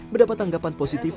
berdapat tanggapan positif